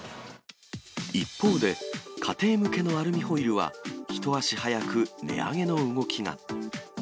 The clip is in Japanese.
一方で、家庭向けのアルミホイルは、一足早く値上げの動きが。